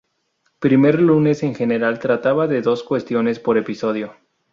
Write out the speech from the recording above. Primer lunes en general trataba de dos cuestiones por episodio.